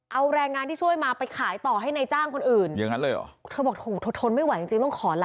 เอาแรงงานที่ช่วยมาไปขายต่อให้ในจ้างคนอื่น